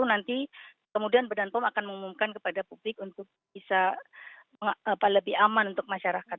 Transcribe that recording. nanti kemudian badan pom akan mengumumkan kepada publik untuk bisa lebih aman untuk masyarakat